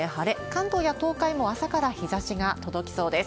関東や東海も朝から日ざしが届きそうです。